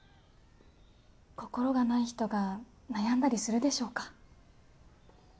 心がない人が悩んだりするでしょうか？